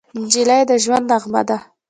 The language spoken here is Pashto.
نجلۍ د ژونده نغمه ده.